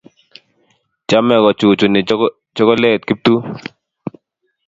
Chamei kochuchuni chokolet Kiptum.